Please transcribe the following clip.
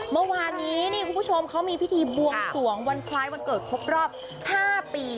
เมื่อวานนี้นี่คุณผู้ชมเขามีพิธีบวงสวงวันคล้ายวันเกิดครบรอบ๕ปี